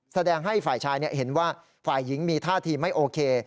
แสดงให้ฝ่ายชายเห็นว่าฝ่ายหญิงมีท่าทีไม่โอเค